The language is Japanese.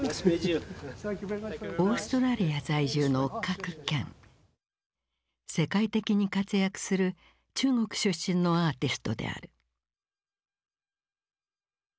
オーストラリア在住の世界的に活躍する中国出身のアーティストである。